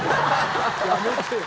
やめてよ。